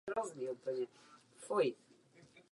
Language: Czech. Třetí myšlenkou je globalismus.